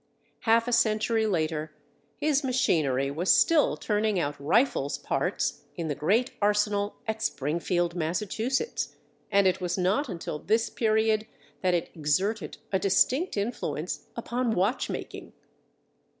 Half a century later his machinery was still turning out rifles parts in the great arsenal at Springfield, Massachusetts, and it was not until this period that it exerted a distinct influence upon watch making.